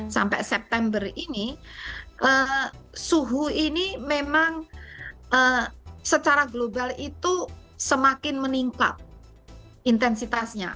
sampai september ini suhu ini memang secara global itu semakin meningkat intensitasnya